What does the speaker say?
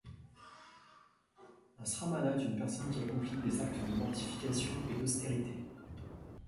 Un śramana est une personne qui accomplit des actes de mortification et d'austérité.